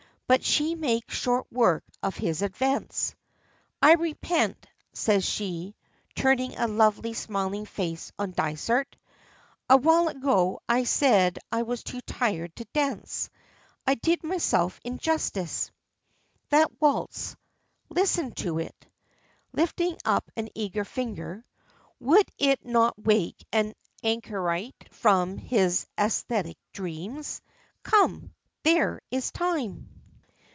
But she makes short work of his advance. "I repent," says she, turning a lovely, smiling face on Dysart. "A while ago I said I was too tired to dance. I did myself injustice. That waltz listen to it" lifting up an eager finger "would it not wake an anchorite from his ascetic dreams? Come. There is time.".